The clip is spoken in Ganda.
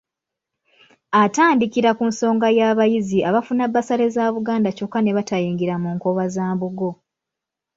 Atandikira ku nsonga y’abayizi abafuna bbasale za Buganda kyokka ne batayingira mu Nkobazambogo.